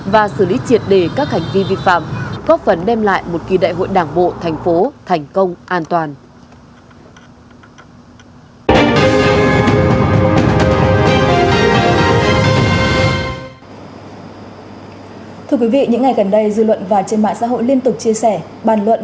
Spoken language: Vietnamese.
và xử lý triệt đề các hành vi vi phạm góp phần đem lại một kỳ đại hội đảng bộ thành phố thành công an toàn